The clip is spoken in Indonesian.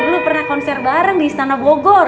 kita nyanyi bareng di istana bogor